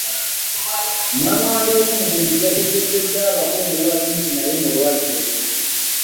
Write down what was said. Nnamwandu w’omugenzi yategeezezza abakungubazi nti naye mulwadde.